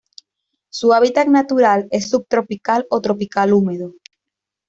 Su hábitat natural es subtropical o tropical húmedo.